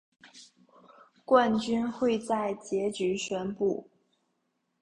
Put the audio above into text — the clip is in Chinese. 冠军会在结局宣布。